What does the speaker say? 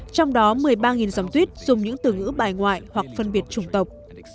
trong đó một mươi ba dòng tuyết dùng những từ ngữ bài ngoại hoặc phân biệt chủng tộc